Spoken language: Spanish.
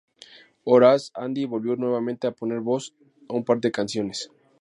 Horace Andy volvió nuevamente a poner voz a un par de canciones.